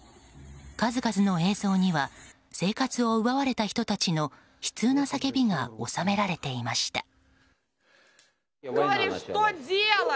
数々の映像には生活を奪われた人たちの悲痛な叫びが収められていました。